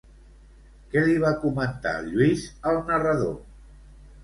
Què li va comentar el Lluís al narrador?